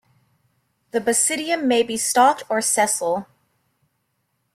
The basidium may be stalked or sessile.